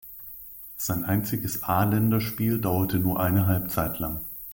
Sein einziges A-Länderspiel dauerte nur eine Halbzeit lang.